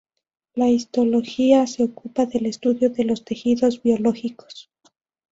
La Histología se ocupa del estudio de los tejidos biológicos.